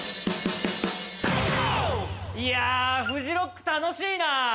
いやぁフジロック楽しいなぁ。